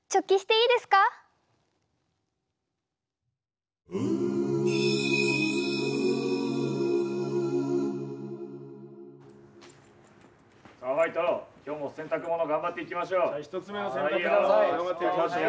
いいよ。頑張っていきましょう。